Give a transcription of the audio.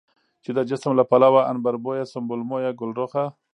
چې د جسم له پلوه عنبربويه، سنبل مويه، ګلرخه،